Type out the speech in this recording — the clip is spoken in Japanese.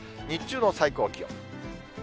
日中の最高気温。